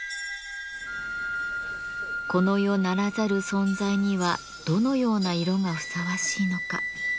この世ならざる存在にはどのような色がふさわしいのか。